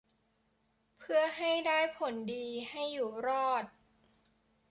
เพื่อให้ได้ผลดีให้อยู่รอด